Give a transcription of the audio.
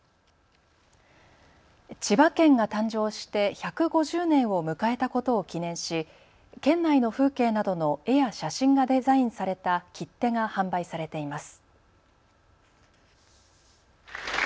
千葉県が誕生して１５０年を迎えたことを記念し県内の風景などの絵や写真がデザインされた切手が販売されています。